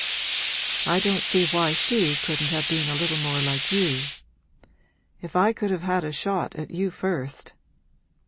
'I don't see why she couldn't have been a little more like you. If I could have had a shot at you first!'